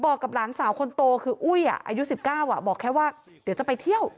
บอกกับหลานสาวคนโตคืออุ้ยอายุ๑๙บอกแค่ว่าเดี๋ยวจะไปเที่ยว